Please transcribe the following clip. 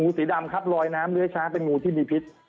สีดำครับลอยน้ำเนื้อช้างเป็นงูที่มีพิษ